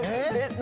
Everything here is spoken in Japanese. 何？